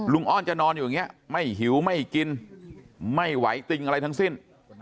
อ้อนจะนอนอยู่อย่างนี้ไม่หิวไม่กินไม่ไหวติงอะไรทั้งสิ้น